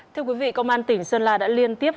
thưa quý vị công an tỉnh sơn la đã liên tiếp